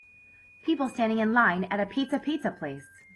People standing in line at a Pizza Pizza place.